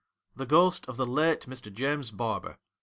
THE GHOST OF THE LATE ME. JAMES BAEBEE.